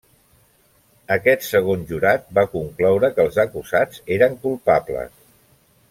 Aquest segon jurat va concloure que els acusats eren culpables.